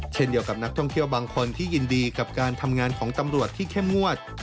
เช่นเดียวกับนักท่องเที่ยวบางคนที่ยินดีกับการทำงานของตำรวจที่เข้มงวด